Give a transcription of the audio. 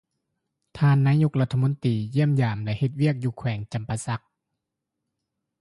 ທ່ານນາຍົກລັດຖະມົນຕີ ຢ້ຽມຢາມແລະ ເຮັດວຽກ ຢູ່ແຂວງ ຈຳປາສັກ